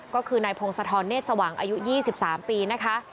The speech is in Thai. ก็คือนายพงศธรเนธสว่างอายุ๒๓ปีนะคะ